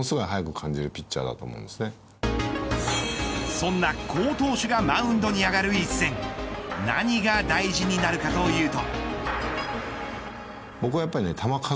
そんな好投手がマウンドに上がる一戦何が大事になるかというと。